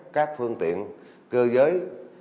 các phương tiện cơ giới